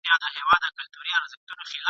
پر خپل حال باندي یې وایستل شکرونه !.